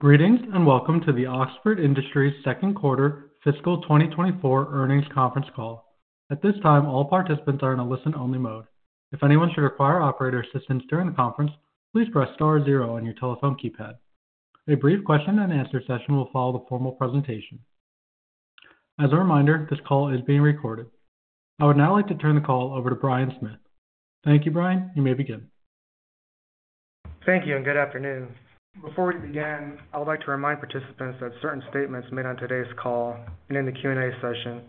Greetings, and welcome to the Oxford Industries second quarter fiscal 2024 earnings conference call. At this time, all participants are in a listen-only mode. If anyone should require operator assistance during the conference, please press star zero on your telephone keypad. A brief question-and-answer session will follow the formal presentation. As a reminder, this call is being recorded. I would now like to turn the call over to Brian Smith. Thank you, Brian. You may begin. Thank you, and good afternoon. Before we begin, I would like to remind participants that certain statements made on today's call and in the Q&A session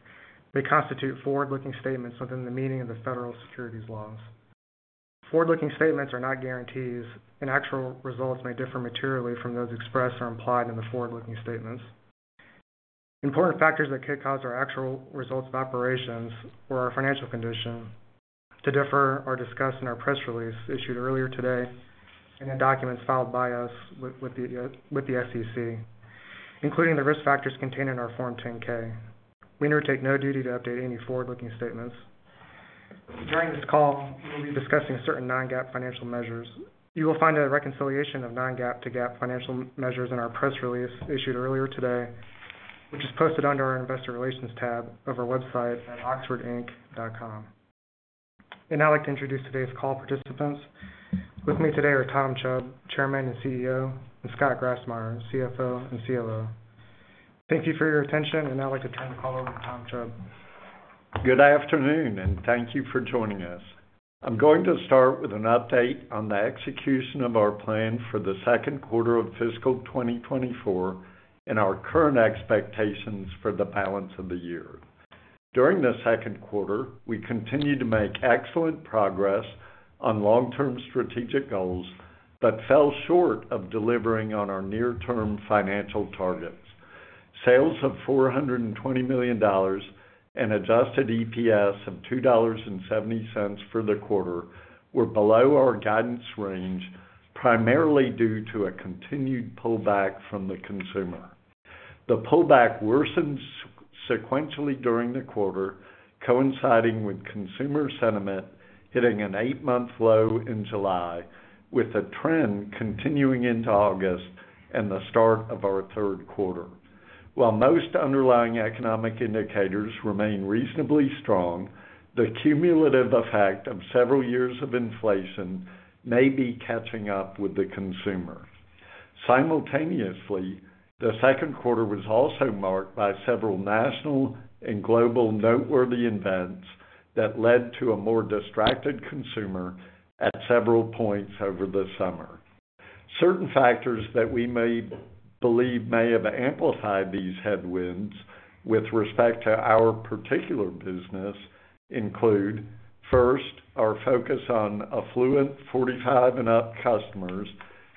may constitute forward-looking statements within the meaning of the federal securities laws. Forward-looking statements are not guarantees, and actual results may differ materially from those expressed or implied in the forward-looking statements. Important factors that could cause our actual results of operations or our financial condition to differ are discussed in our press release issued earlier today and in documents filed by us with the SEC, including the risk factors contained in our Form 10-K. We undertake no duty to update any forward-looking statements. During this call, we'll be discussing certain non-GAAP financial measures. You will find a reconciliation of non-GAAP to GAAP financial measures in our press release issued earlier today, which is posted under our Investor Relations tab of our website at oxfordinc.com. I'd now like to introduce today's call participants. With me today are Tom Chubb, Chairman and CEO, and Scott Grassmyer, CFO and COO. Thank you for your attention, and I'd like to turn the call over to Tom Chubb. Good afternoon, and thank you for joining us. I'm going to start with an update on the execution of our plan for the second quarter of fiscal 2024 and our current expectations for the balance of the year. During the second quarter, we continued to make excellent progress on long-term strategic goals, but fell short of delivering on our near-term financial targets. Sales of $420 million and adjusted EPS of $2.70 for the quarter were below our guidance range, primarily due to a continued pullback from the consumer. The pullback worsened sequentially during the quarter, coinciding with consumer sentiment, hitting an eight-month low in July, with a trend continuing into August and the start of our third quarter. While most underlying economic indicators remain reasonably strong, the cumulative effect of several years of inflation may be catching up with the consumer. Simultaneously, the second quarter was also marked by several national and global noteworthy events that led to a more distracted consumer at several points over the summer. Certain factors that we may believe may have amplified these headwinds with respect to our particular business include, first, our focus on affluent 45 and up customers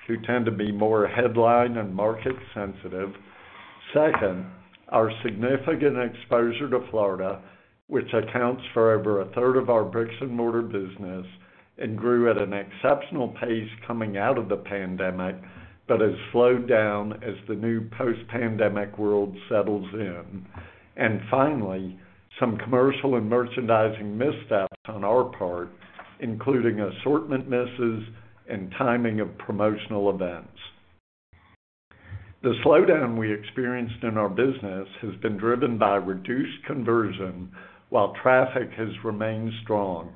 who tend to be more headline and market sensitive. Second, our significant exposure to Florida, which accounts for over a third of our bricks-and-mortar business and grew at an exceptional pace coming out of the pandemic, but has slowed down as the new post-pandemic world settles in. And finally, some commercial and merchandising missteps on our part, including assortment misses and timing of promotional events. The slowdown we experienced in our business has been driven by reduced conversion, while traffic has remained strong,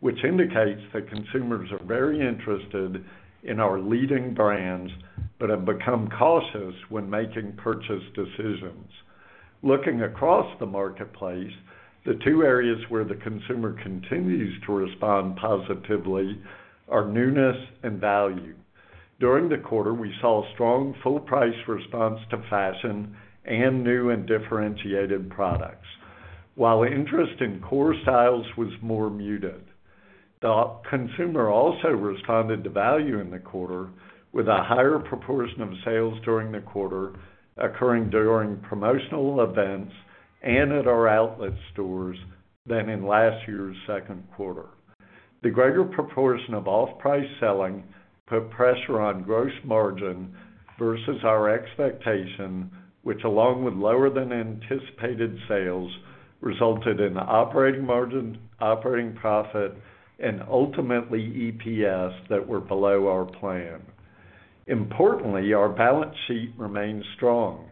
which indicates that consumers are very interested in our leading brands but have become cautious when making purchase decisions. Looking across the marketplace, the two areas where the consumer continues to respond positively are newness and value. During the quarter, we saw a strong full price response to fashion and new and differentiated products, while interest in core styles was more muted. The consumer also responded to value in the quarter, with a higher proportion of sales during the quarter occurring during promotional events and at our outlet stores than in last year's second quarter. The greater proportion of off-price selling put pressure on gross margin versus our expectation, which, along with lower than anticipated sales, resulted in operating margin, operating profit, and ultimately, EPS, that were below our plan. Importantly, our balance sheet remains strong.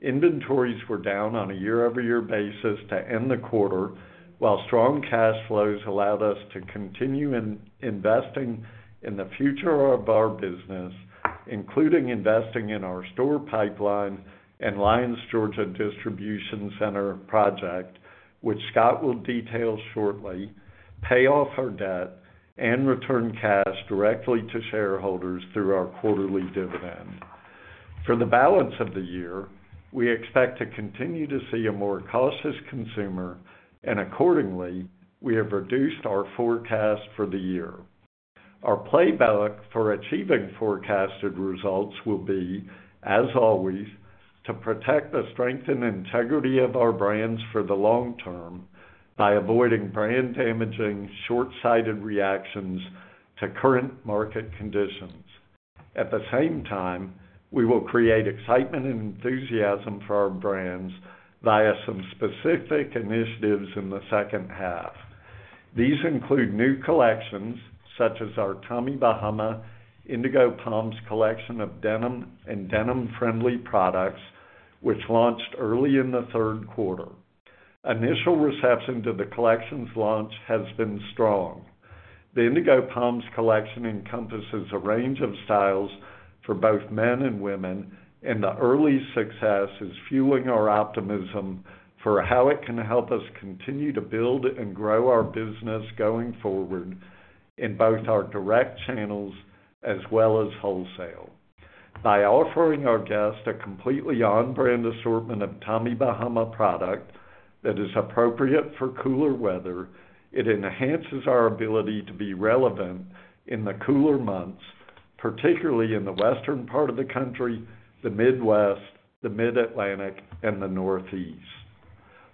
Inventories were down on a year-over-year basis to end the quarter, while strong cash flows allowed us to continue investing in the future of our business, including investing in our store pipeline and Lyons, Georgia distribution center project, which Scott will detail shortly, pay off our debt, and return cash directly to shareholders through our quarterly dividend. For the balance of the year, we expect to continue to see a more cautious consumer, and accordingly, we have reduced our forecast for the year. Our playbook for achieving forecasted results will be, as always, to protect the strength and integrity of our brands for the long term by avoiding brand-damaging, short-sighted reactions to current market conditions. At the same time, we will create excitement and enthusiasm for our brands via some specific initiatives in the second half. These include new collections, such as our Tommy Bahama Indigo Palms collection of denim and denim-friendly products, which launched early in the third quarter. Initial reception to the collection's launch has been strong. The Indigo Palms collection encompasses a range of styles for both men and women, and the early success is fueling our optimism for how it can help us continue to build and grow our business going forward in both our direct channels as well as wholesale. By offering our guests a completely on-brand assortment of Tommy Bahama product that is appropriate for cooler weather, it enhances our ability to be relevant in the cooler months, particularly in the western part of the country, the Midwest, the Mid-Atlantic, and the Northeast.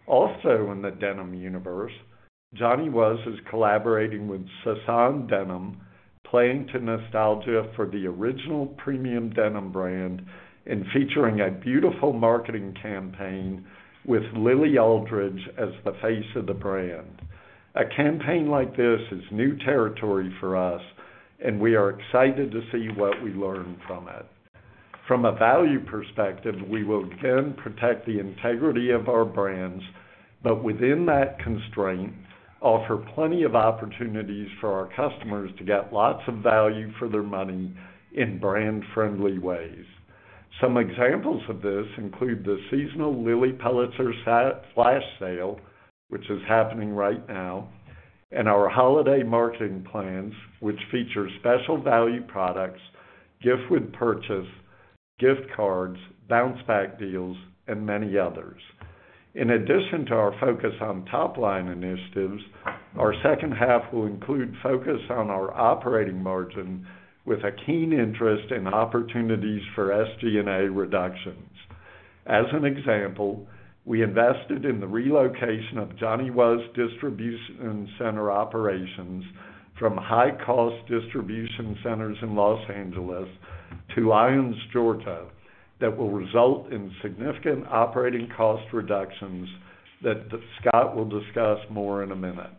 Also, in the denim universe, Johnny Was is collaborating with Sasson Denim, playing to nostalgia for the original premium denim brand and featuring a beautiful marketing campaign with Lily Aldridge as the face of the brand. A campaign like this is new territory for us, and we are excited to see what we learn from it. From a value perspective, we will again protect the integrity of our brands, but within that constraint, offer plenty of opportunities for our customers to get lots of value for their money in brand-friendly ways. Some examples of this include the seasonal Lilly Pulitzer sale, which is happening right now, and our holiday marketing plans, which feature special value products, gift with purchase, gift cards, bounce-back deals, and many others. In addition to our focus on top-line initiatives, our second half will include focus on our operating margin with a keen interest in opportunities for SG&A reductions. As an example, we invested in the relocation of Johnny Was distribution center operations from high-cost distribution centers in Los Angeles to Lyons, Georgia, that will result in significant operating cost reductions that Scott will discuss more in a minute.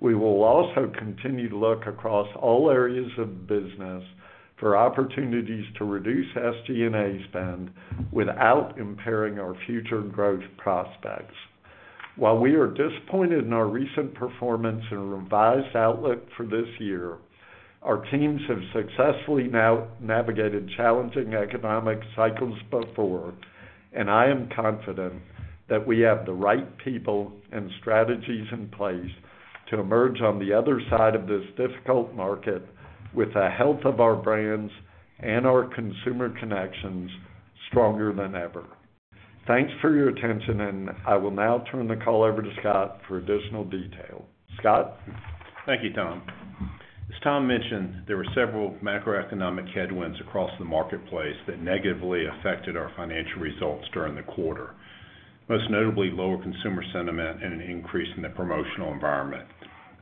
We will also continue to look across all areas of business for opportunities to reduce SG&A spend without impairing our future growth prospects. While we are disappointed in our recent performance and revised outlook for this year, our teams have successfully navigated challenging economic cycles before, and I am confident that we have the right people and strategies in place to emerge on the other side of this difficult market with the health of our brands and our consumer connections stronger than ever. Thanks for your attention, and I will now turn the call over to Scott for additional detail. Scott? Thank you, Tom. As Tom mentioned, there were several macroeconomic headwinds across the marketplace that negatively affected our financial results during the quarter, most notably lower consumer sentiment and an increase in the promotional environment.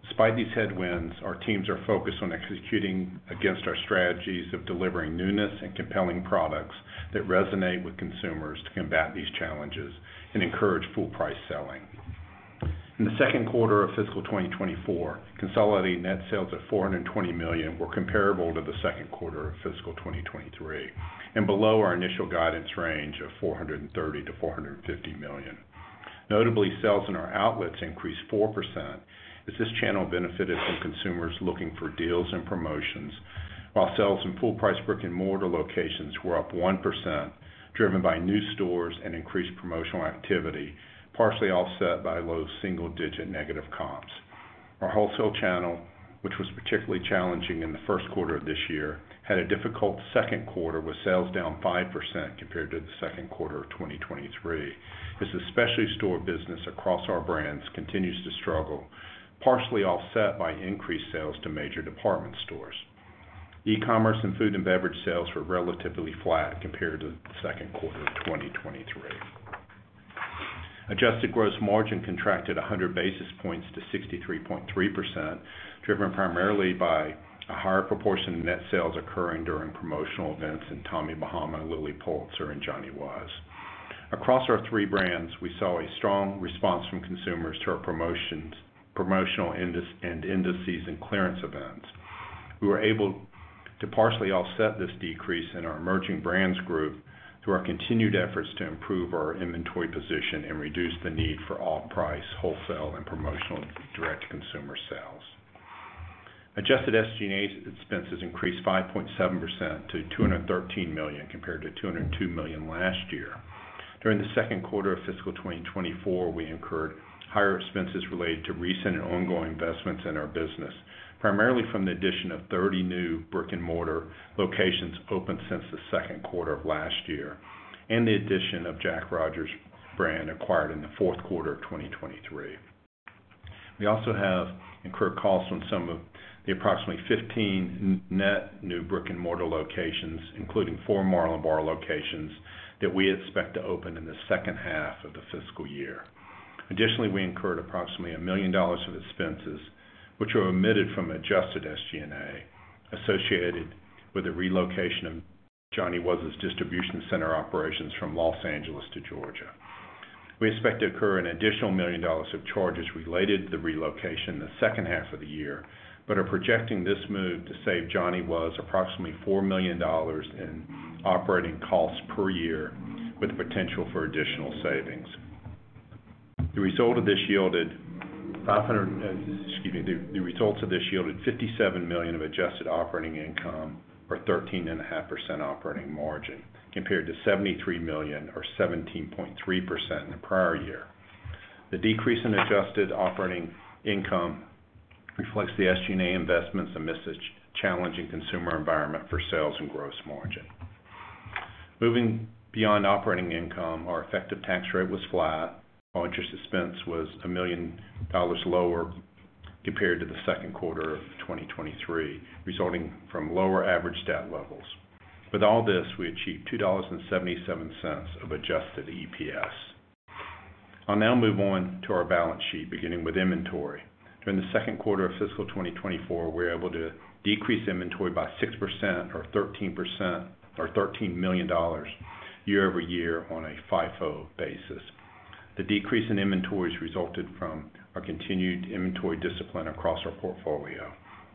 Despite these headwinds, our teams are focused on executing against our strategies of delivering newness and compelling products that resonate with consumers to combat these challenges and encourage full price selling. In the second quarter of fiscal 2024, consolidated net sales of $420 million were comparable to the second quarter of fiscal 2023 and below our initial guidance range of $430 million-$450 million. Notably, sales in our outlets increased 4%, as this channel benefited from consumers looking for deals and promotions, while sales in full price brick-and-mortar locations were up 1%, driven by new stores and increased promotional activity, partially offset by low single-digit negative comps. Our wholesale channel, which was particularly challenging in the first quarter of this year, had a difficult second quarter, with sales down 5% compared to the second quarter of 2023, as the specialty store business across our brands continues to struggle, partially offset by increased sales to major department stores. E-commerce and food and beverage sales were relatively flat compared to the second quarter of 2023. Adjusted gross margin contracted 100 basis points to 63.3%, driven primarily by a higher proportion of net sales occurring during promotional events in Tommy Bahama, Lilly Pulitzer, and Johnny Was. Across our three brands, we saw a strong response from consumers to our promotions, and end-of-season clearance events. We were able to partially offset this decrease in our emerging brands group through our continued efforts to improve our inventory position and reduce the need for off-price, wholesale, and promotional direct-to-consumer sales. Adjusted SG&A expenses increased 5.7% to $213 million, compared to $202 million last year. During the second quarter of fiscal 2024, we incurred higher expenses related to recent and ongoing investments in our business, primarily from the addition of 30 new brick-and-mortar locations opened since the second quarter of last year, and the addition of Jack Rogers brand, acquired in the fourth quarter of 2023. We also have incurred costs on some of the approximately 15 net new brick-and-mortar locations, including four Marlin Bar locations, that we expect to open in the second half of the fiscal year. Additionally, we incurred approximately $1 million of expenses, which were omitted from adjusted SG&A, associated with the relocation of Johnny Was's distribution center operations from Los Angeles to Georgia. We expect to incur an additional $1 million of charges related to the relocation in the second half of the year, but are projecting this move to save Johnny Was approximately $4 million in operating costs per year, with the potential for additional savings. The results of this yielded $57 million of adjusted operating income, or 13.5% operating margin, compared to $73 million or 17.3% in the prior year. The decrease in adjusted operating income reflects the SG&A investments amidst a challenging consumer environment for sales and gross margin. Moving beyond operating income, our effective tax rate was flat. Our interest expense was $1 million lower compared to the second quarter of 2023, resulting from lower average debt levels. With all this, we achieved $2.77 of adjusted EPS. I'll now move on to our balance sheet, beginning with inventory. During the second quarter of fiscal 2024, we were able to decrease inventory by 6% or $13 million year over year on a FIFO basis. The decrease in inventories resulted from our continued inventory discipline across our portfolio.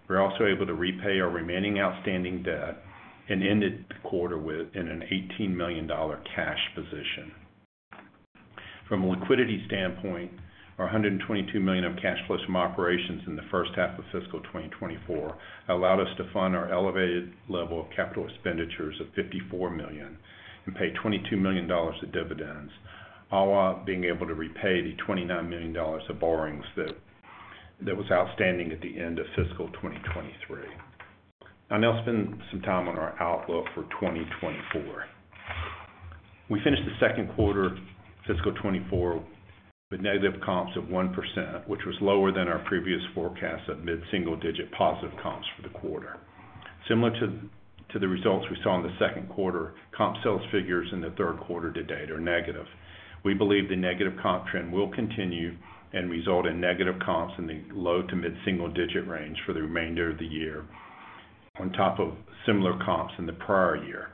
We're also able to repay our remaining outstanding debt and ended the quarter with an $18 million cash position. From a liquidity standpoint, our $122 million of cash flows from operations in the first half of fiscal 2024 allowed us to fund our elevated level of capital expenditures of $54 million and pay $22 million of dividends, all while being able to repay the $29 million of borrowings that was outstanding at the end of fiscal 2023. I'll now spend some time on our outlook for 2024. We finished the second quarter of fiscal 2024 with negative comps of 1%, which was lower than our previous forecast of mid-single-digit positive comps for the quarter. Similar to the results we saw in the second quarter, comp sales figures in the third quarter to date are negative. We believe the negative comp trend will continue and result in negative comps in the low- to mid-single-digit range for the remainder of the year, on top of similar comps in the prior year.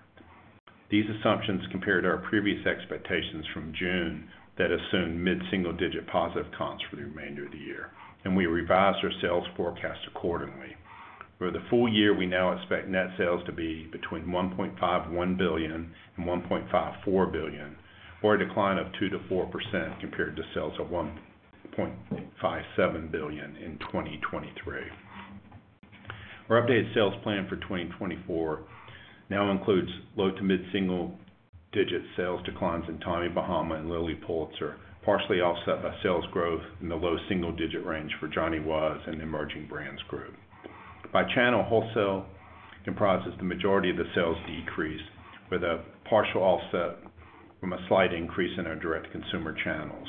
These assumptions compare to our previous expectations from June that assumed mid-single-digit positive comps for the remainder of the year, and we revised our sales forecast accordingly. For the full year, we now expect net sales to be between $1.51 billion and $1.54 billion, or a decline of 2%-4% compared to sales of $1.57 billion in 2023. Our updated sales plan for 2024 now includes low- to mid-single-digit sales declines in Tommy Bahama and Lilly Pulitzer, partially offset by sales growth in the low single-digit range for Johnny Was and Emerging Brands Group. By channel, wholesale comprises the majority of the sales decrease, with a partial offset from a slight increase in our direct-to-consumer channels.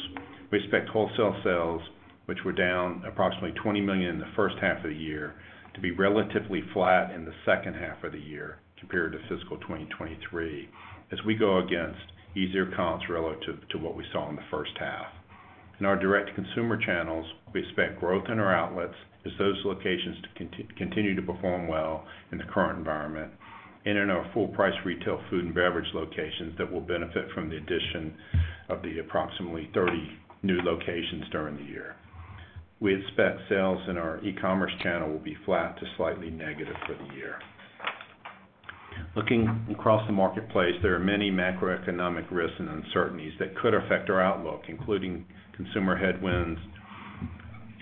We expect wholesale sales, which were down approximately $20 million in the first half of the year, to be relatively flat in the second half of the year compared to fiscal 2023, as we go against easier comps relative to what we saw in the first half. In our direct-to-consumer channels, we expect growth in our outlets as those locations continue to perform well in the current environment and in our full-price retail food and beverage locations that will benefit from the addition of the approximately thirty new locations during the year. We expect sales in our e-commerce channel will be flat to slightly negative for the year. Looking across the marketplace, there are many macroeconomic risks and uncertainties that could affect our outlook, including consumer headwinds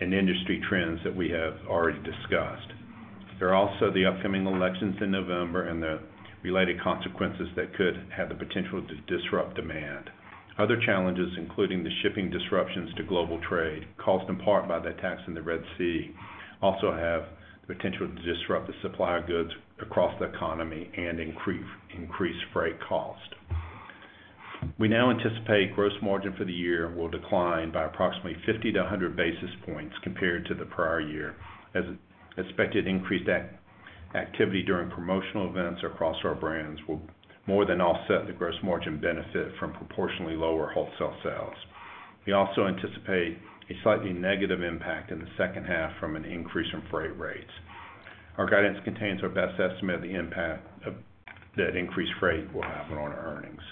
and industry trends that we have already discussed. There are also the upcoming elections in November and the related consequences that could have the potential to disrupt demand. Other challenges, including the shipping disruptions to global trade, caused in part by the attacks in the Red Sea, also have the potential to disrupt the supply of goods across the economy and increase freight cost. We now anticipate gross margin for the year will decline by approximately 50-100 basis points compared to the prior year, as expected increased activity during promotional events across our brands will more than offset the gross margin benefit from proportionally lower wholesale sales. We also anticipate a slightly negative impact in the second half from an increase in freight rates. Our guidance contains our best estimate of the impact that increased freight will have on our earnings.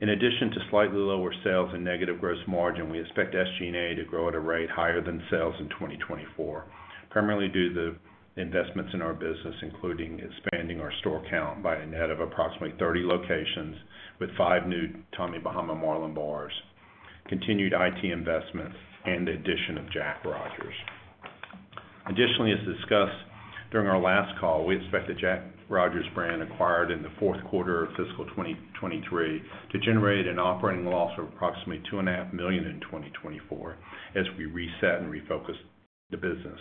In addition to slightly lower sales and negative gross margin, we expect SG&A to grow at a rate higher than sales in 2024, primarily due to the investments in our business, including expanding our store count by a net of approximately 30 locations, with 5 new Tommy Bahama Marlin Bars, continued IT investments, and the addition of Jack Rogers. Additionally, as discussed during our last call, we expect the Jack Rogers brand, acquired in the fourth quarter of fiscal 2023, to generate an operating loss of approximately $2.5 million in 2024, as we reset and refocus the business.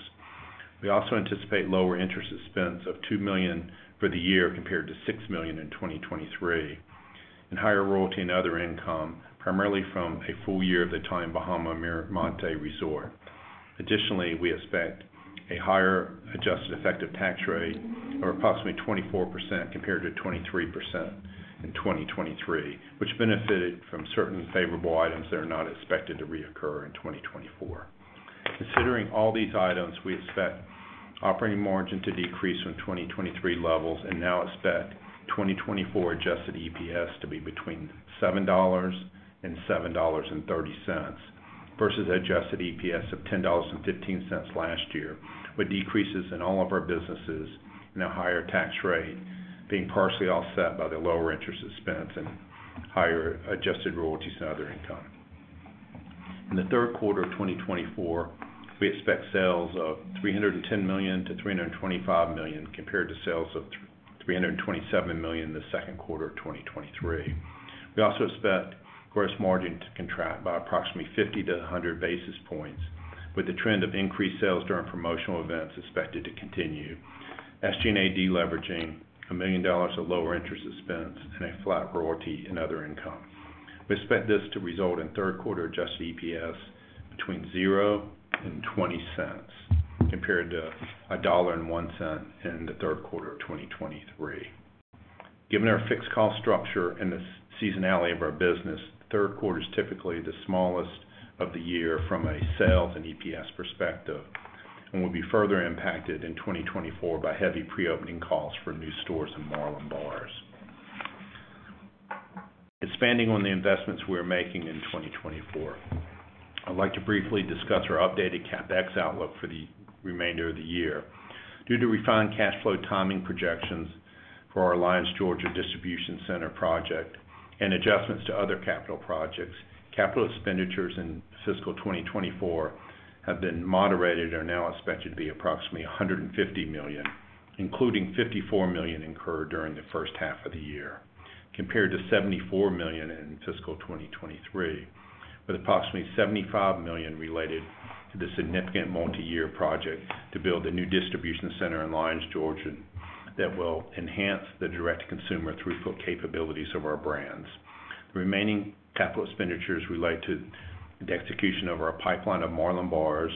We also anticipate lower interest expense of $2 million for the year, compared to $6 million in 2023, and higher royalty and other income, primarily from a full year of the Tommy Bahama Miramonte Resort. Additionally, we expect a higher adjusted effective tax rate of approximately 24%, compared to 23% in 2023, which benefited from certain favorable items that are not expected to reoccur in 2024.... Considering all these items, we expect operating margin to decrease from 2023 levels and now expect 2024 adjusted EPS to be between $7-$7.30, versus adjusted EPS of $10.15 last year, with decreases in all of our businesses and a higher tax rate being partially offset by the lower interest expense and higher adjusted royalties and other income. In the third quarter of 2024, we expect sales of $310 million-$325 million, compared to sales of $327 million in the second quarter of 2023. We also expect gross margin to contract by approximately 50-100 basis points, with the trend of increased sales during promotional events expected to continue. SG&A deleveraging, $1 million of lower interest expense, and a flat royalty in other income. We expect this to result in third quarter adjusted EPS between $0.00 and $0.20, compared to $1.01 in the third quarter of 2023. Given our fixed cost structure and the seasonality of our business, third quarter is typically the smallest of the year from a sales and EPS perspective, and will be further impacted in 2024 by heavy pre-opening costs for new stores and Marlin Bars. Expanding on the investments we are making in 2024, I'd like to briefly discuss our updated CapEx outlook for the remainder of the year. Due to refined cash flow timing projections for our Lyons, Georgia distribution center project and adjustments to other capital projects, capital expenditures in fiscal 2024 have been moderated and are now expected to be approximately $150 million, including $54 million incurred during the first half of the year, compared to $74 million in fiscal 2023, with approximately $75 million related to the significant multiyear project to build a new distribution center in Lyons, Georgia, that will enhance the direct-to-consumer throughput capabilities of our brands. The remaining capital expenditures relate to the execution of our pipeline of Marlin Bars,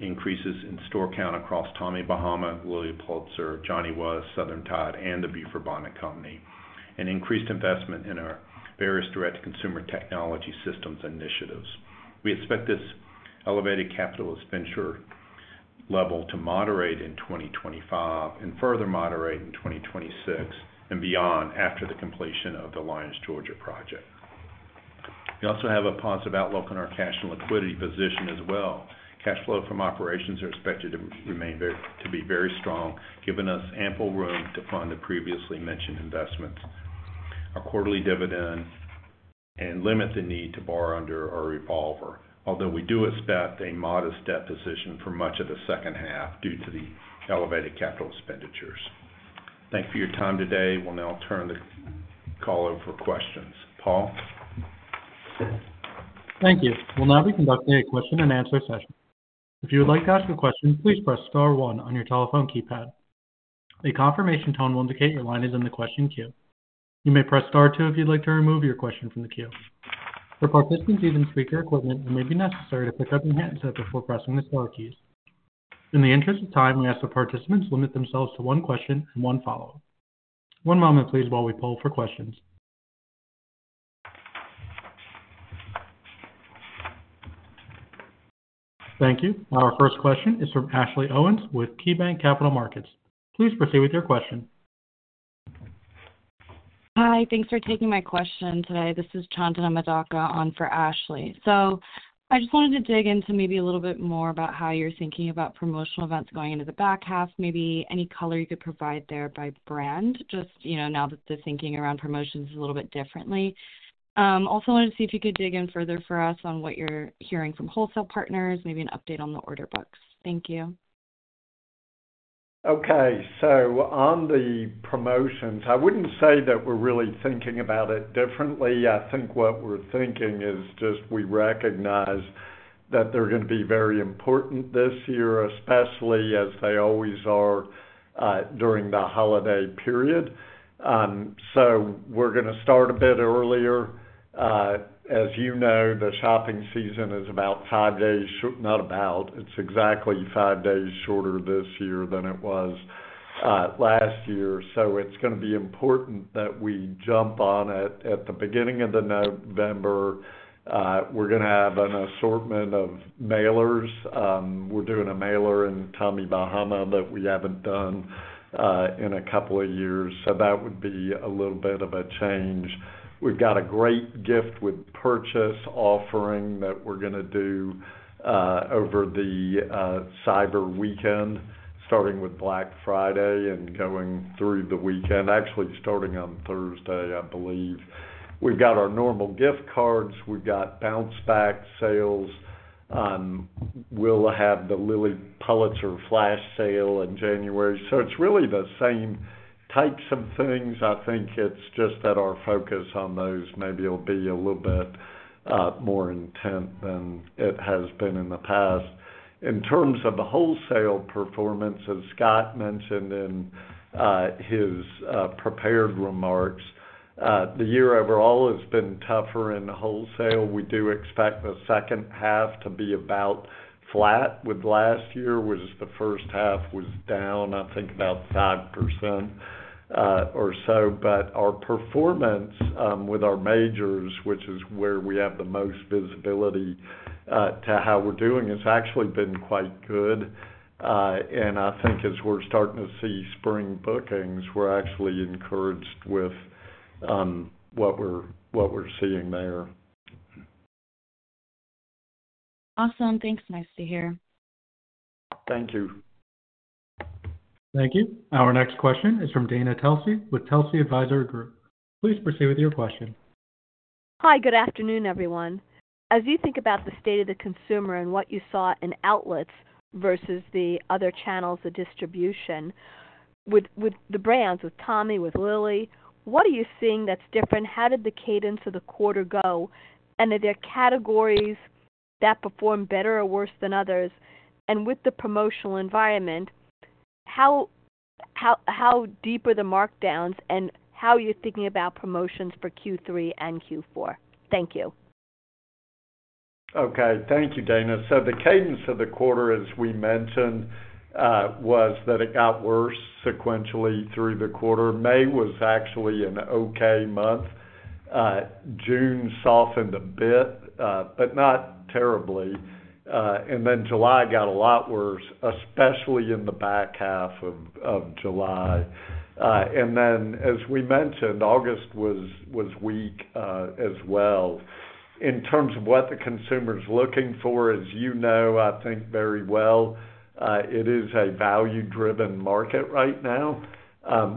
increases in store count across Tommy Bahama, Lilly Pulitzer, Johnny Was, Southern Tide, and The Beaufort Bonnet Company, and increased investment in our various direct-to-consumer technology systems initiatives. We expect this elevated capital expenditure level to moderate in 2025 and further moderate in 2026 and beyond, after the completion of the Lyons, Georgia project. We also have a positive outlook on our cash and liquidity position as well. Cash flow from operations are expected to remain very strong, giving us ample room to fund the previously mentioned investments. Our quarterly dividend and limit the need to borrow under our revolver, although we do expect a modest debt position for much of the second half due to the elevated capital expenditures. Thank you for your time today. We'll now turn the call over for questions. Paul? Thank you. We'll now be conducting a question-and-answer session. If you would like to ask a question, please press star one on your telephone keypad. A confirmation tone will indicate your line is in the question queue. You may press star two if you'd like to remove your question from the queue. For participants using speaker equipment, it may be necessary to pick up your handset before pressing the star keys. In the interest of time, we ask that participants limit themselves to one question and one follow-up. One moment, please, while we poll for questions. Thank you. Our first question is from Ashley Owens with KeyBank Capital Markets. Please proceed with your question. Hi, thanks for taking my question today. This is Chandana Madaka on for Ashley. So I just wanted to dig into maybe a little bit more about how you're thinking about promotional events going into the back half, maybe any color you could provide there by brand, just, you know, now that the thinking around promotions is a little bit differently. Also wanted to see if you could dig in further for us on what you're hearing from wholesale partners, maybe an update on the order books. Thank you. Okay. So on the promotions, I wouldn't say that we're really thinking about it differently. I think what we're thinking is just we recognize that they're going to be very important this year, especially as they always are during the holiday period. So we're gonna start a bit earlier. As you know, the shopping season is exactly five days shorter this year than it was last year. So it's gonna be important that we jump on it at the beginning of November. We're gonna have an assortment of mailers. We're doing a mailer in Tommy Bahama that we haven't done in a couple of years, so that would be a little bit of a change. We've got a great gift with purchase offering that we're gonna do over the cyber weekend, starting with Black Friday and going through the weekend. Actually, starting on Thursday, I believe. We've got our normal gift cards. We've got bounce back sales. We'll have the Lilly Pulitzer flash sale in January. So it's really the same types of things. I think it's just that our focus on those maybe will be a little bit more intent than it has been in the past. In terms of the wholesale performance, as Scott mentioned in his prepared remarks, the year overall has been tougher in the wholesale. We do expect the second half to be about flat with last year, which is the first half was down, I think, about 5%. ... or so, but our performance with our majors, which is where we have the most visibility to how we're doing, has actually been quite good, and I think as we're starting to see spring bookings, we're actually encouraged with what we're seeing there. Awesome. Thanks. Nice to hear. Thank you. Thank you. Our next question is from Dana Telsey with Telsey Advisory Group. Please proceed with your question. Hi, good afternoon, everyone. As you think about the state of the consumer and what you saw in outlets versus the other channels of distribution, with the brands, with Tommy, with Lilly, what are you seeing that's different? How did the cadence of the quarter go? And are there categories that performed better or worse than others? And with the promotional environment, how deep are the markdowns, and how are you thinking about promotions for Q3 and Q4? Thank you. Okay. Thank you, Dana. So the cadence of the quarter, as we mentioned, was that it got worse sequentially through the quarter. May was actually an okay month. June softened a bit, but not terribly. And then July got a lot worse, especially in the back half of July. And then as we mentioned, August was weak, as well. In terms of what the consumer's looking for, as you know, I think very well, it is a value-driven market right now.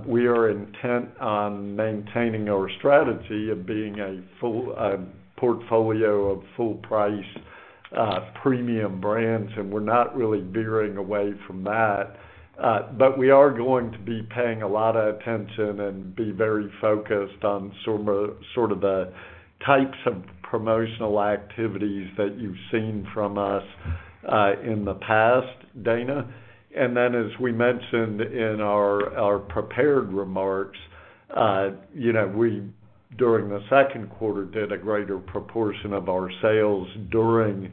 We are intent on maintaining our strategy of being a full portfolio of full price premium brands, and we're not really veering away from that. But we are going to be paying a lot of attention and be very focused on some sort of the types of promotional activities that you've seen from us in the past, Dana. And then, as we mentioned in our prepared remarks, you know, we during the second quarter did a greater proportion of our sales during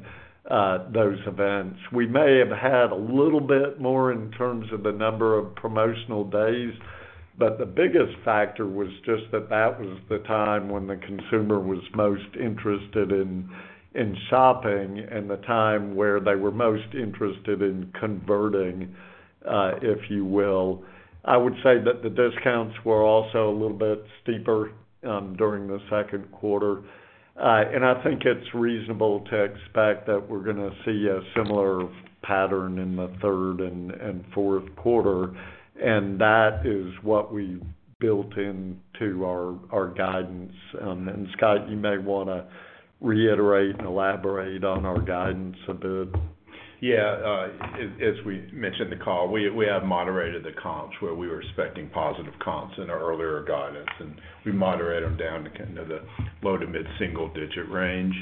those events. We may have had a little bit more in terms of the number of promotional days, but the biggest factor was just that that was the time when the consumer was most interested in shopping and the time where they were most interested in converting, if you will. I would say that the discounts were also a little bit steeper during the second quarter. And I think it's reasonable to expect that we're gonna see a similar pattern in the third and fourth quarter, and that is what we built into our guidance. And Scott, you may wanna reiterate and elaborate on our guidance a bit. Yeah, as we mentioned in the call, we have moderated the comps where we were expecting positive comps in our earlier guidance, and we moderate them down to you know, the low to mid-single digit range.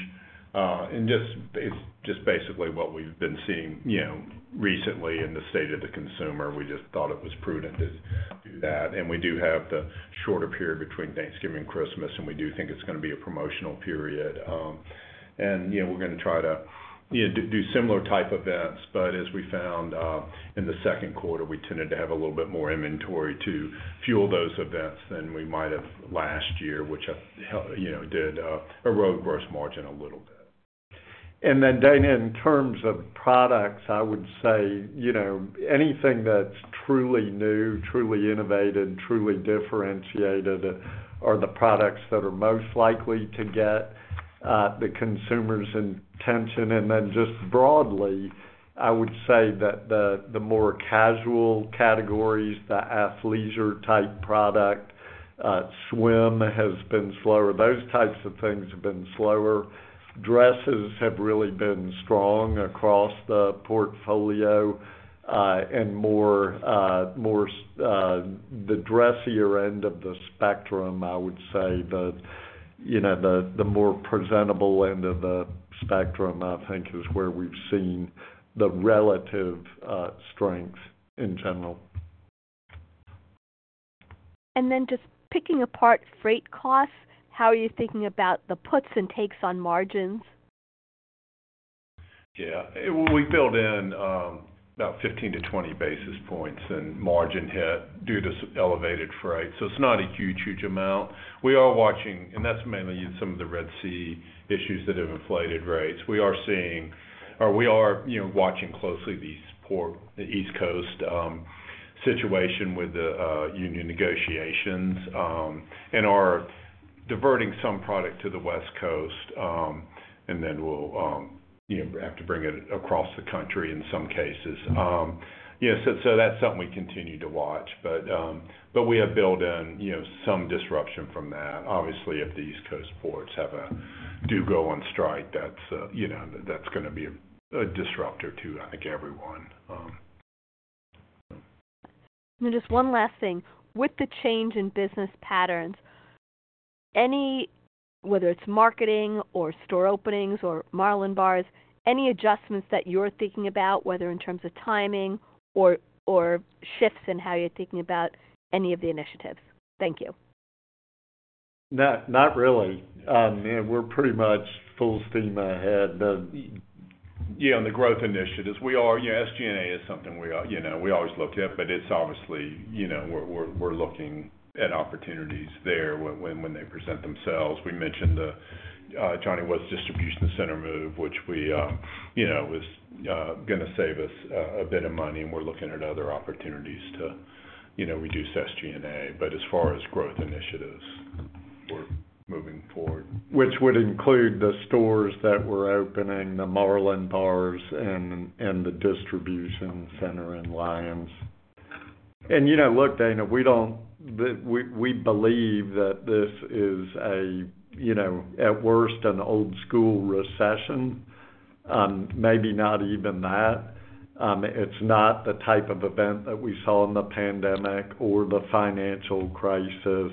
And just, it's just basically what we've been seeing, you know, recently in the state of the consumer. We just thought it was prudent to do that. And we do have the shorter period between Thanksgiving and Christmas, and we do think it's gonna be a promotional period. And, you know, we're gonna try to, you know, do similar type events. But as we found in the second quarter, we tended to have a little bit more inventory to fuel those events than we might have last year, which you know, did erode gross margin a little bit. Dana, in terms of products, I would say, you know, anything that's truly new, truly innovative, truly differentiated, are the products that are most likely to get the consumer's attention. Just broadly, I would say that the more casual categories, the athleisure-type product, swim has been slower. Those types of things have been slower. Dresses have really been strong across the portfolio, and more, the dressier end of the spectrum, I would say, you know, the more presentable end of the spectrum, I think, is where we've seen the relative strength in general. Just picking apart freight costs, how are you thinking about the puts and takes on margins? Yeah. We built in about 15-20 basis points in margin hit due to elevated freight, so it's not a huge, huge amount. We are watching, and that's mainly in some of the Red Sea issues that have inflated rates. We are seeing, or we are, you know, watching closely the port, the East Coast, situation with the, union negotiations, and are diverting some product to the West Coast, and then we'll, you know, have to bring it across the country in some cases. Yes, so, so that's something we continue to watch. But, but we have built in, you know, some disruption from that. Obviously, if the East Coast ports have a-- do go on strike, that's, you know, that's gonna be a disruptor to, I think, everyone. Just one last thing: With the change in business patterns, any, whether it's marketing or store openings or Marlin Bars, any adjustments that you're thinking about, whether in terms of timing or, or shifts in how you're thinking about any of the initiatives? Thank you.... Not, not really. Yeah, we're pretty much full steam ahead. Yeah, on the growth initiatives, we are. Yeah, SG&A is something we are, you know, we always look at, but it's obviously, you know, we're looking at opportunities there when they present themselves. We mentioned the Johnny Was distribution center move, which we, you know, is gonna save us a bit of money, and we're looking at other opportunities to, you know, reduce SG&A. But as far as growth initiatives, we're moving forward. Which would include the stores that we're opening, the Marlin Bars and the distribution center in Lyons. You know, look, Dana, we don't. We believe that this is, you know, at worst, an old school recession, maybe not even that. It's not the type of event that we saw in the pandemic or the financial crisis.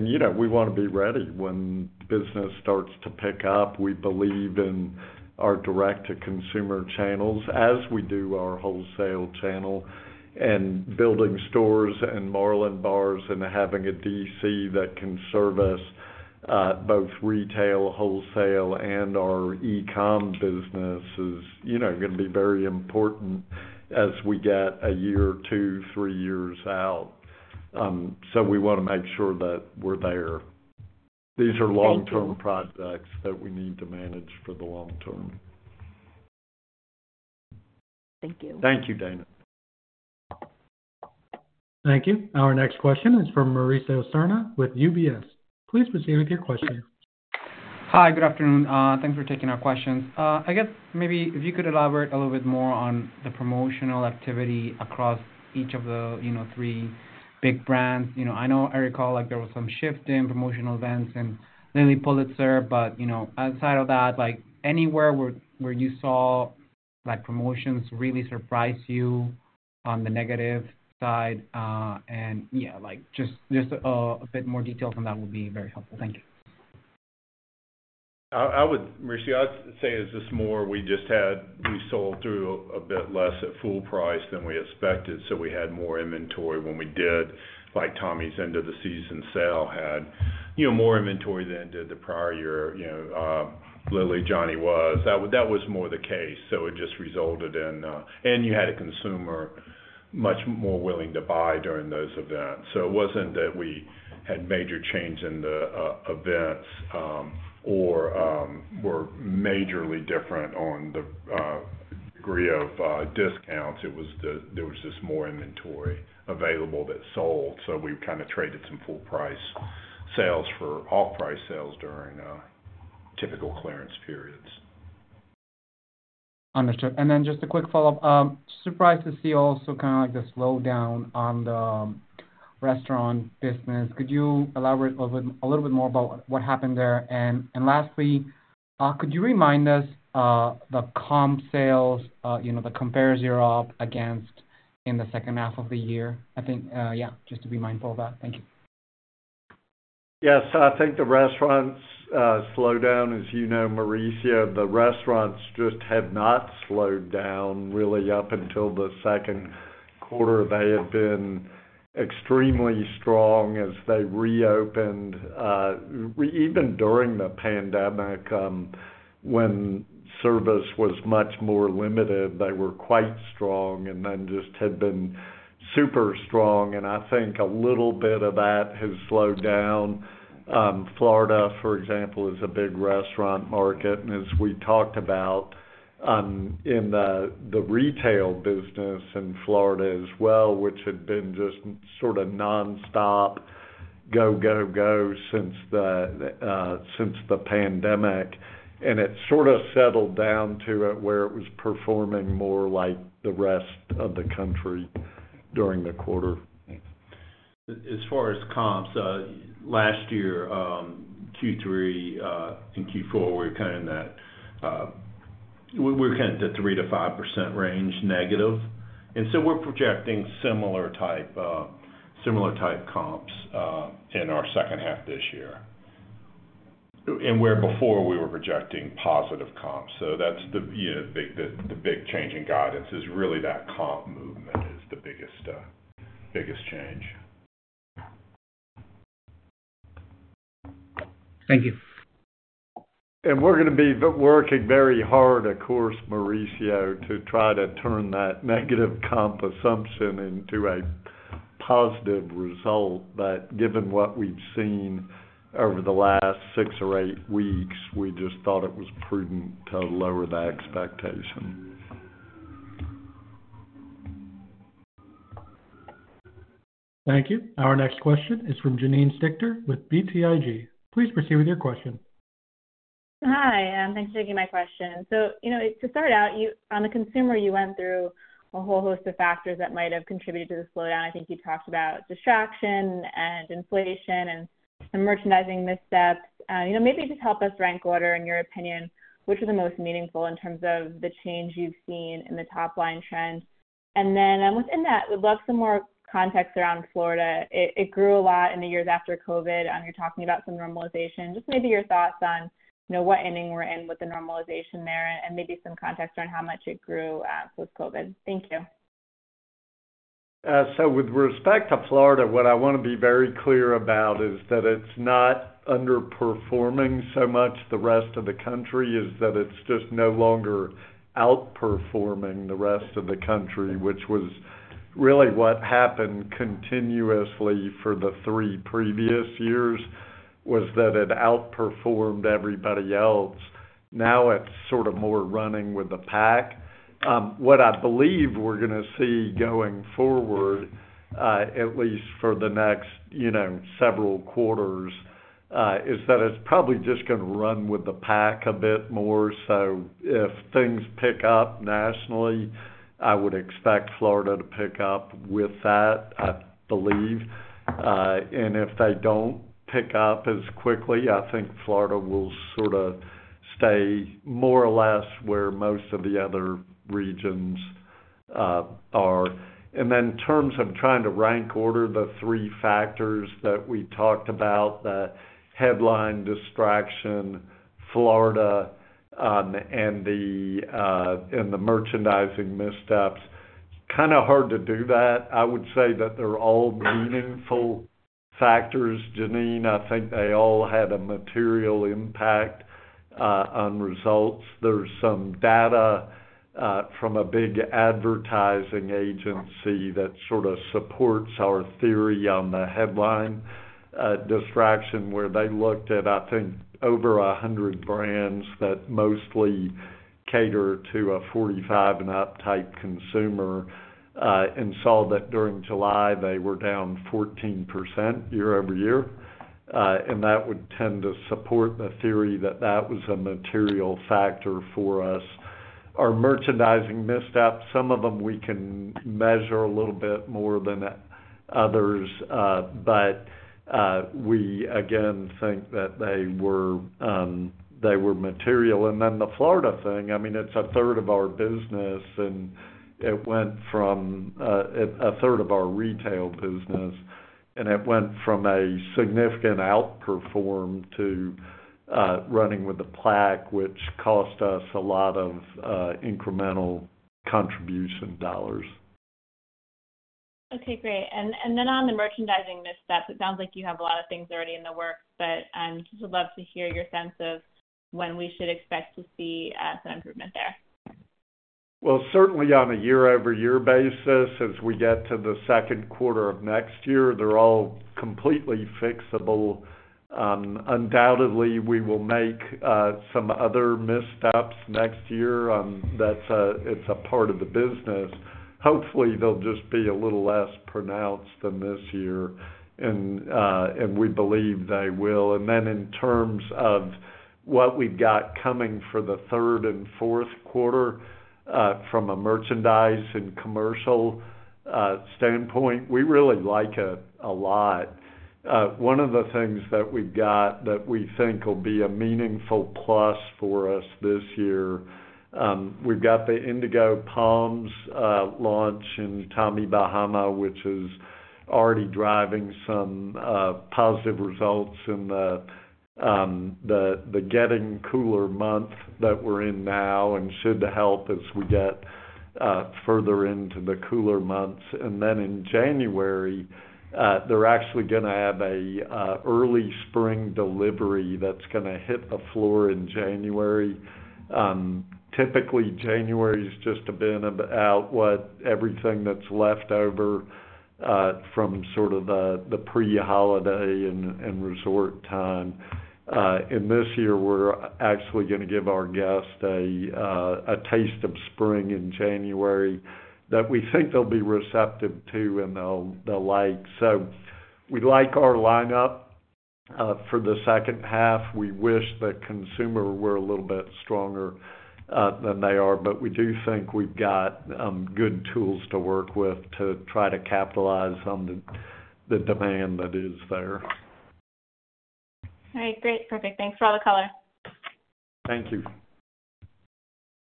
You know, we wanna be ready when business starts to pick up. We believe in our direct-to-consumer channels as we do our wholesale channel, and building stores and Marlin Bars and having a DC that can serve us both retail, wholesale, and our e-com business is, you know, gonna be very important as we get a year or two, three years out. So we wanna make sure that we're there. These are long-term projects that we need to manage for the long term. Thank you. Thank you, Dana. Thank you. Our next question is from Mauricio Serna with UBS. Please proceed with your question. Hi, good afternoon. Thanks for taking our questions. I guess maybe if you could elaborate a little bit more on the promotional activity across each of the, you know, three big brands. You know, I know, I recall, like, there was some shift in promotional events and Lilly Pulitzer, but, you know, outside of that, like, anywhere where you saw, like, promotions really surprise you on the negative side, and, yeah, like, just a bit more details on that would be very helpful. Thank you. I would, Mauricio, I'd say it's more we just had. We sold through a bit less at full price than we expected, so we had more inventory when we did, like, Tommy's end of the season sale had, you know, more inventory than did the prior year, you know, Lilly, Johnny Was. That was more the case, so it just resulted in, and you had a consumer much more willing to buy during those events. So it wasn't that we had major change in the events or were majorly different on the degree of discounts. It was that there was just more inventory available that sold, so we kind of traded some full price sales for off-price sales during typical clearance periods. Understood. And then just a quick follow-up. Surprised to see also kind of like the slowdown on the restaurant business. Could you elaborate a little bit more about what happened there? And lastly, could you remind us the comp sales, you know, the comps you're up against in the second half of the year? I think, yeah, just to be mindful of that. Thank you. Yes, I think the restaurants slowed down. As you know, Mauricio, the restaurants just have not slowed down really up until the second quarter. They have been extremely strong as they reopened. Even during the pandemic, when service was much more limited, they were quite strong and then just had been super strong, and I think a little bit of that has slowed down. Florida, for example, is a big restaurant market, and as we talked about, in the retail business in Florida as well, which had been just sort of nonstop, go, go, go since the pandemic, and it sort of settled down to it where it was performing more like the rest of the country during the quarter. As far as comps, last year, Q3 and Q4, we're kind of in that, we're kind of the 3%-5% range negative. And so we're projecting similar type comps in our second half this year. And where before we were projecting positive comps. So that's the, you know, the big change in guidance is really that comp movement is the biggest change. Thank you. We're gonna be working very hard, of course, Mauricio, to try to turn that negative comp assumption into a positive result. But given what we've seen over the last six or eight weeks, we just thought it was prudent to lower that expectation. Thank you. Our next question is from Janine Stichter with BTIG. Please proceed with your question. Hi, thanks for taking my question. So, you know, to start out, you on the consumer, you went through a whole host of factors that might have contributed to the slowdown. I think you talked about distraction and inflation and some merchandising missteps. You know, maybe just help us rank order, in your opinion, which are the most meaningful in terms of the change you've seen in the top-line trends? And then, within that, we'd love some more context around Florida. It grew a lot in the years after COVID, and you're talking about some normalization. Just maybe your thoughts on, you know, what inning we're in with the normalization there, and maybe some context around how much it grew with COVID. Thank you.... So with respect to Florida, what I wanna be very clear about is that it's not underperforming so much the rest of the country, is that it's just no longer outperforming the rest of the country, which was really what happened continuously for the three previous years, was that it outperformed everybody else. Now it's sort of more running with the pack. What I believe we're gonna see going forward, at least for the next, you know, several quarters, is that it's probably just gonna run with the pack a bit more. So if things pick up nationally, I would expect Florida to pick up with that, I believe. And if they don't pick up as quickly, I think Florida will sort of stay more or less where most of the other regions are. And then in terms of trying to rank order the three factors that we talked about, the headline distraction, Florida, and the merchandising missteps, kind of hard to do that. I would say that they're all meaningful factors, Janine. I think they all had a material impact on results. There's some data from a big advertising agency that sort of supports our theory on the headline distraction, where they looked at, I think, over 100 brands that mostly cater to a 45 and up type consumer, and saw that during July, they were down 14% year over year. And that would tend to support the theory that that was a material factor for us. Our merchandising missteps, some of them we can measure a little bit more than others, but we, again, think that they were material. And then the Florida thing, I mean, it's a third of our business, and it went from a third of our retail business, and it went from a significant outperform to running with the pack, which cost us a lot of incremental contribution dollars. Okay, great. And then on the merchandising missteps, it sounds like you have a lot of things already in the works, but I'd just love to hear your sense of when we should expect to see some improvement there. Well, certainly on a year-over-year basis, as we get to the second quarter of next year, they're all completely fixable. Undoubtedly, we will make some other missteps next year. That's a part of the business. Hopefully, they'll just be a little less pronounced than this year, and we believe they will. And then in terms of what we've got coming for the third and fourth quarter, from a merchandise and commercial standpoint, we really like it a lot. One of the things that we've got that we think will be a meaningful plus for us this year, we've got the Indigo Palms launch in Tommy Bahama, which is already driving some positive results in the getting cooler month that we're in now and should help as we get further into the cooler months. Then in January, they're actually gonna have an early spring delivery that's gonna hit the floor in January. Typically, January is just a bit about what everything that's left over from sort of the pre-holiday and resort time. This year, we're actually gonna give our guests a taste of spring in January that we think they'll be receptive to and they'll like. So we like our lineup for the second half. We wish the consumer were a little bit stronger than they are, but we do think we've got good tools to work with to try to capitalize on the demand that is there. All right, great. Perfect. Thanks for all the color. Thank you.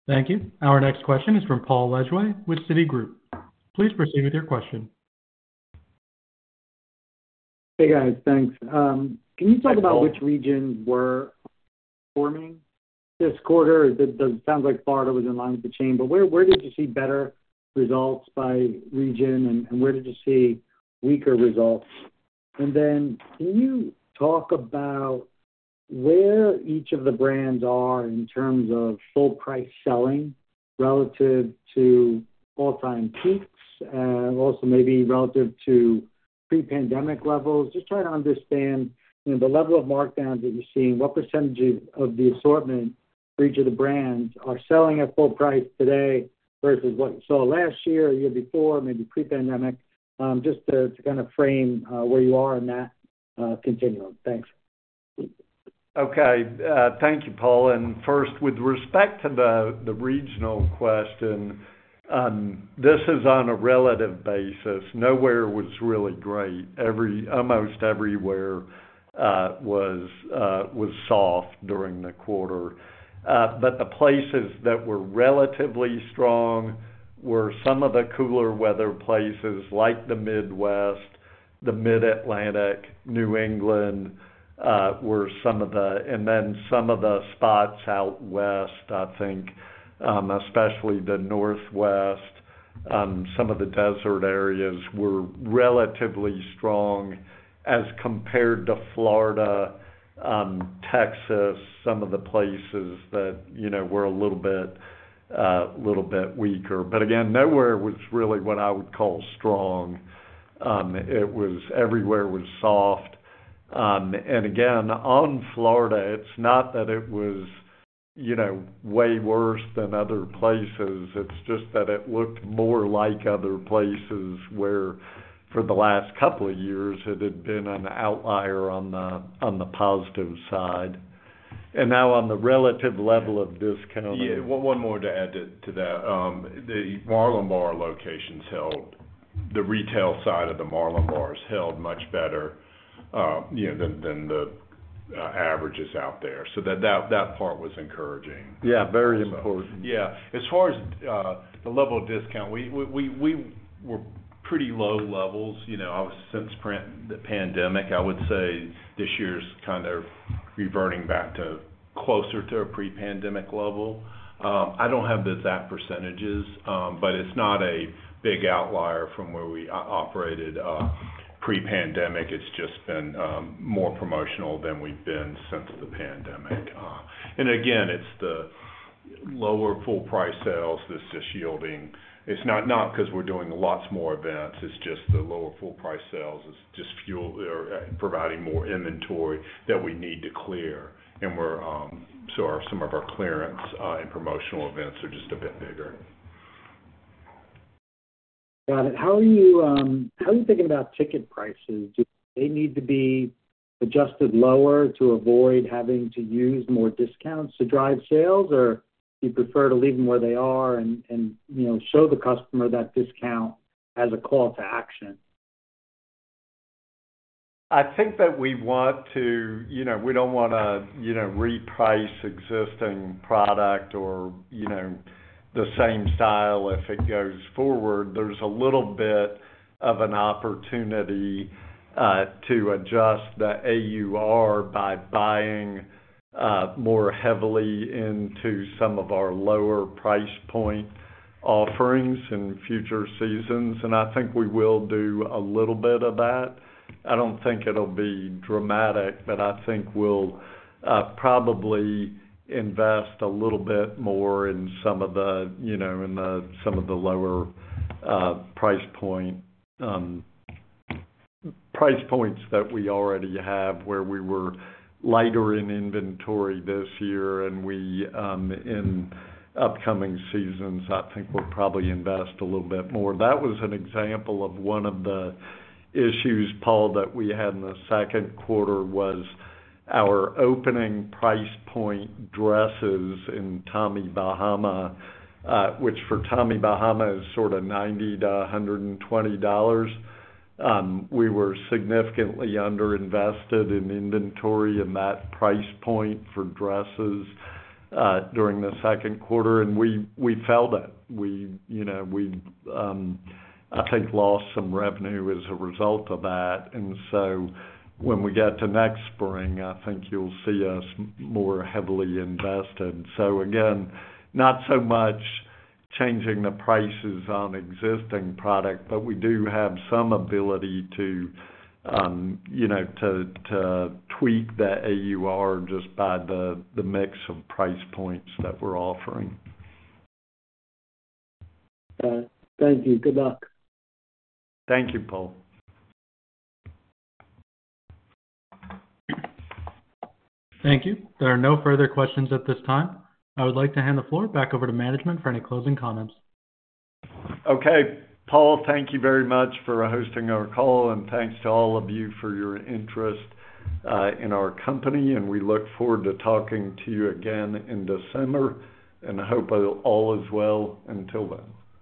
Thank you. Our next question is from Paul Lejuez with Citigroup. Please proceed with your question. Hey, guys. Thanks. Can you talk about- Hi, Paul. Which regions were performing this quarter? It sounds like Florida was in line with the chain, but where did you see better results by region, and where did you see weaker results? And then can you talk about where each of the brands are in terms of full price selling relative to all-time peaks, also maybe relative to pre-pandemic levels? Just trying to understand, you know, the level of markdowns that you're seeing, what percentages of the assortment for each of the brands are selling at full price today versus what you saw last year, or year before, maybe pre-pandemic, just to kind of frame where you are in that continuum. Thanks. Okay. Thank you, Paul. And first, with respect to the regional question, this is on a relative basis. Nowhere was really great. Almost everywhere was soft during the quarter. But the places that were relatively strong were some of the cooler weather places like the Midwest, the Mid-Atlantic, New England, and then some of the spots out west, I think, especially the Northwest, some of the desert areas were relatively strong as compared to Florida, Texas, some of the places that, you know, were a little bit weaker. But again, nowhere was really what I would call strong. Everywhere was soft. And again, on Florida, it's not that it was, you know, way worse than other places. It's just that it looked more like other places where for the last couple of years, it had been an outlier on the positive side, and now on the relative level of discount- Yeah, one more to add to that. The Marlin Bar locations held, the retail side of the Marlin Bars held much better, you know, than the averages out there. So that part was encouraging. Yeah, very important. Yeah. As far as the level of discount, we were pretty low levels, you know, obviously, since pre the pandemic, I would say this year's kind of reverting back to closer to a pre-pandemic level. I don't have the exact percentages, but it's not a big outlier from where we operated pre-pandemic. It's just been more promotional than we've been since the pandemic. And again, it's the lower full price sales that's just yielding. It's not because we're doing lots more events, it's just the lower full price sales is just providing more inventory that we need to clear, and so some of our clearance and promotional events are just a bit bigger. Got it. How are you thinking about ticket prices? Do they need to be adjusted lower to avoid having to use more discounts to drive sales, or do you prefer to leave them where they are and, you know, show the customer that discount as a call to action? I think that we want to, you know, we don't wanna, you know, reprice existing product or, you know, the same style if it goes forward. There's a little bit of an opportunity to adjust the AUR by buying more heavily into some of our lower price point offerings in future seasons, and I think we will do a little bit of that. I don't think it'll be dramatic, but I think we'll probably invest a little bit more in some of the, you know, in the, some of the lower price point price points that we already have, where we were lighter in inventory this year, and we, in upcoming seasons, I think we'll probably invest a little bit more. That was an example of one of the issues, Paul, that we had in the second quarter, was our opening price point dresses in Tommy Bahama, which for Tommy Bahama is sort of $90-$120. We were significantly underinvested in inventory in that price point for dresses during the second quarter, and we felt it. We, you know, I think lost some revenue as a result of that, and so when we get to next spring, I think you'll see us more heavily invested. So again, not so much changing the prices on existing product, but we do have some ability to, you know, to tweak the AUR just by the mix of price points that we're offering. All right. Thank you. Good luck. Thank you, Paul. Thank you. There are no further questions at this time. I would like to hand the floor back over to management for any closing comments. Okay. Paul, thank you very much for hosting our call, and thanks to all of you for your interest in our company, and we look forward to talking to you again in December, and hope all is well until then.